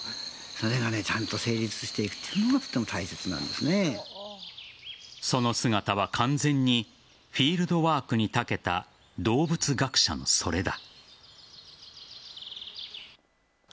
それがちゃんと成立していくっていうのがその姿は完全にフィールドワークに長けた動物学者のそれだ。